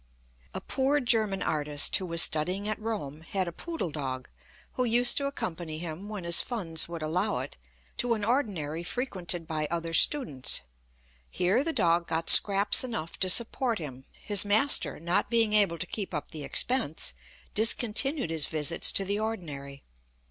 A poor German artist, who was studying at Rome, had a poodle dog, who used to accompany him, when his funds would allow it, to an ordinary frequented by other students. Here the dog got scraps enough to support him. His master, not being able to keep up the expense, discontinued his visits to the ordinary.